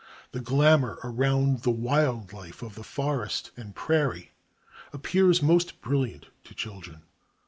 The glamour around the wild life of the forest and prairie appears most brilliant to children.